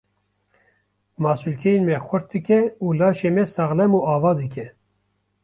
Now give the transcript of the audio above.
Masûlkeyên me xurt dike û laşê me saxlem û ava dike.